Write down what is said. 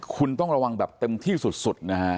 คุณต้องระวังแบบเต็มที่สุดนะฮะ